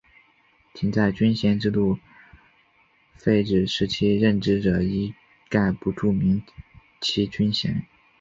仅在军衔制废止期间任职者一概不注明其军衔。